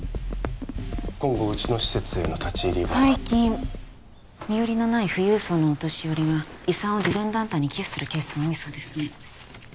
今後うちの施設への立ち入りは最近身寄りのない富裕層のお年寄りが遺産を慈善団体に寄付するケースが多いそうですね